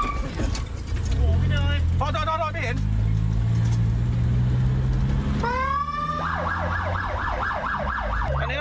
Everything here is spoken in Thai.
อันนี้กำลังเครื่องย้ายผู้แปดเจ็บส่องทางสูตรอวุธปืนนะครับ